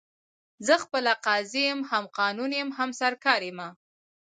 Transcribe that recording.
زه خپله قاضي یم، هم قانون یم، هم سرکار یمه